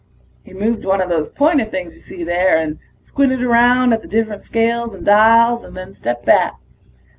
He moved one of those pointers you see there, and squinted around at the different scales and dials, and then stepped back.